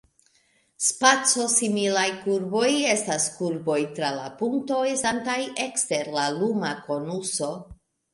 Spaco-similaj kurboj estas kurboj tra la punkto estantaj ekster la luma konuso.